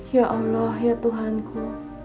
ya allah ya tuhanku